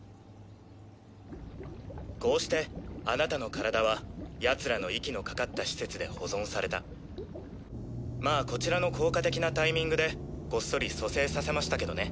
こうして貴方の体は奴らの息のかかった施設で保存されたまぁこちらの効果的なタイミングでこっそり蘇生させましたけどね。